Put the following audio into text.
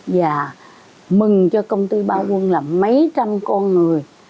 và mừng cho công ty ba quân là mấy trăm con người